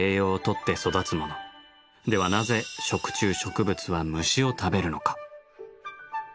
ではなぜ食虫植物は虫を食べるのか？